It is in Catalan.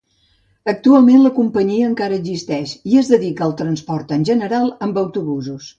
Actualment la companyia encara existeix i es dedica al transport en general amb autobusos.